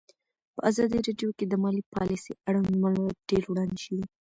په ازادي راډیو کې د مالي پالیسي اړوند معلومات ډېر وړاندې شوي.